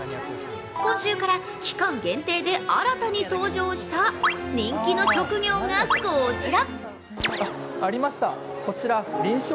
今週から期間限定で新たに登場した人気の職業がこちら。